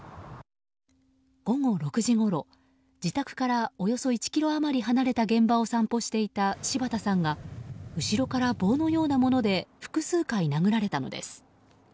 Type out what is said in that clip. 午後６時ごろ、自宅からおよそ１ｋｍ余り離れた現場を散歩していた柴田さんが後ろから棒のようなもので複数回殴られたのです。